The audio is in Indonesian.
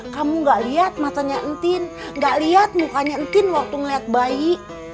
kamu gak lihat matanya entin gak lihat mukanya entin waktu ngeliat bayi